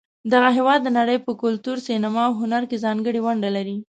دغه هېواد د نړۍ په کلتور، سینما، او هنر کې ځانګړې ونډه لري.